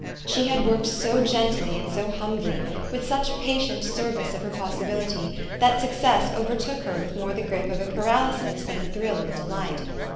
She had worked so gently and so humbty, with such patient service of her possibility, that success overtook her with more the grip of a paralysis than the thrill of a delight.